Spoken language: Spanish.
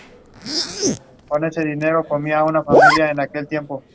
Está protagonizada por Vincent Price y Elizabeth Shepherd.